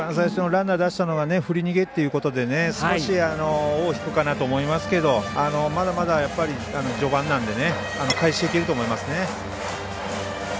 一番最初のランナー出したのが振り逃げということで少し尾を引くかなと思いますけどまだまだ序盤なんで回収できると思いますね。